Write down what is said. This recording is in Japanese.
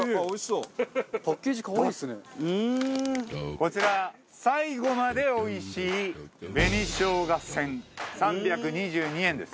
こちら最後まで美味しい紅生姜せん３２２円です。